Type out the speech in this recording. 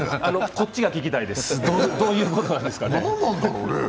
こっちが聞きたいです、どういうことなんですかね。